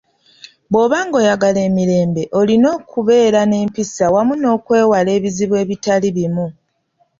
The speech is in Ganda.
Bw'oba ng'oyagala emirembe, olina okubeera n'empisa wamu n'okwewala ebizibu ebitali bimu.